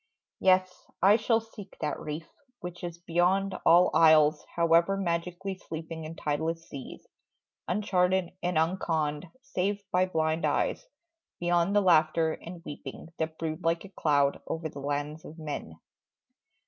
Yes, I shall seek that reef, which is beyond All isles however magically sleeping In tideless seas, uncharted and unconned Save by blind eyes; beyond the laughter and weeping That brood like a cloud over the lands of men.